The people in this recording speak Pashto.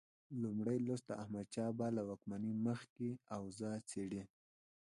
لومړی لوست د احمدشاه بابا له واکمنۍ مخکې اوضاع څېړي.